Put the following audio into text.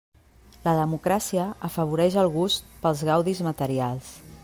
La democràcia afavoreix el gust pels gaudis materials.